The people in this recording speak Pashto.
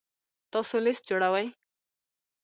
تاسو لیست جوړوئ؟